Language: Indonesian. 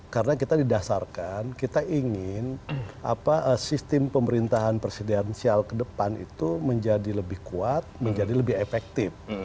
karena kita didasarkan kita ingin sistem pemerintahan presidensial ke depan itu menjadi lebih kuat menjadi lebih efektif